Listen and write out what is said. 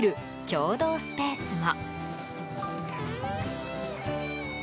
共同スペースも。